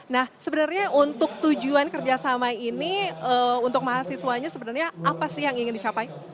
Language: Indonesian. nah sebenarnya untuk tujuan kerjasama ini untuk mahasiswanya sebenarnya apa sih yang ingin dicapai